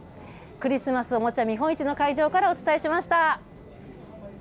クリスマスおもちゃ見本市の会場からお伝えしました。